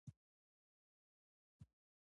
نظارت د اداري چارو ښه والی ساتي.